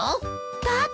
だって。